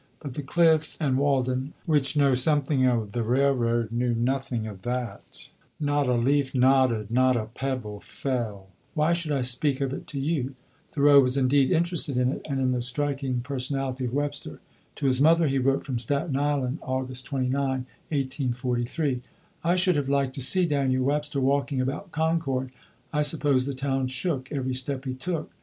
But the Cliff and Walden, which know something of the railroad, knew nothing of that; not a leaf nodded; not a pebble fell; why should I speak of it to you?" Thoreau was indeed interested in it, and in the striking personality of Webster. To his mother he wrote from Staten Island (August 29, 1843): "I should have liked to see Daniel Webster walking about Concord; I suppose the town shook, every step he took.